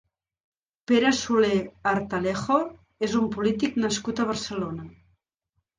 Pere Soler Artalejo és un polític nascut a Barcelona.